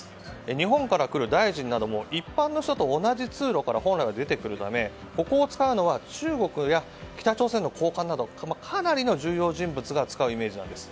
日本から来る大臣なども一般の人と同じ通路から本来は出てくるためここを使うのは中国や北朝鮮の高官などかなりの重要人物が使うイメージなんです。